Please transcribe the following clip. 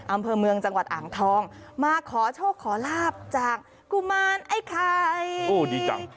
อำเภอเมืองจังหวัดอ่างทองมาขอโชคขอลาบจากกุมารไอ้ไข่โอ้ดีจัง